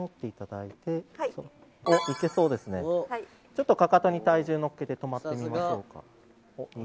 ちょっとかかとに体重を乗っけて止まってみましょうか。